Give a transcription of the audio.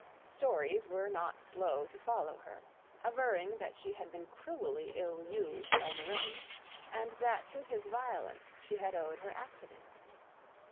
Stories were not slow to follow her, averring that she had been cruelly ill used by Neroni, and that to his violence had she owed her accident.